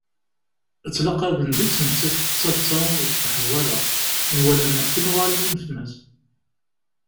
Ttlaqaben deg-s nettat tettaḍsa, ur tenḥerwa ara. Mi walan akken uɣalen unfen-as.